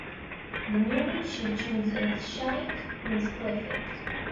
The "murid" should choose a "shaikh" who is perfect.